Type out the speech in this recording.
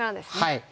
はい。